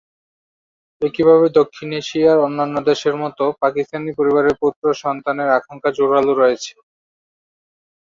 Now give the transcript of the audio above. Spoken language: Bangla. একইভাবে দক্ষিণ এশিয়ার অন্যান্য দেশের মতো, পাকিস্তানি পরিবারের পুত্র সন্তানের আকাঙ্খা জোরালো রয়েছে।